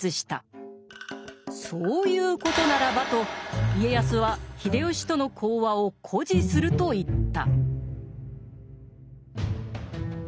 「そういうことならば」と家康は秀吉との講和を固辞すると言った。